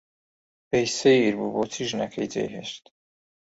پێی سەیر بوو بۆچی ژنەکەی جێی هێشت.